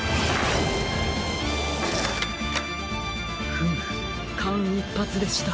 フムかんいっぱつでした。